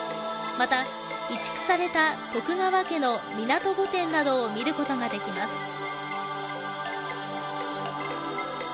また、移築された徳川家の湊御殿などを見ることができます。